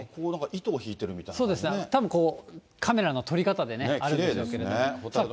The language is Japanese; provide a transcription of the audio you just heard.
そうですね、たぶん、カメラの撮り方で、あるんでしょうけれども。